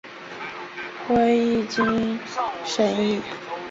会议经审议